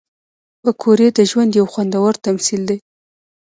پکورې د ژوند یو خوندور تمثیل دی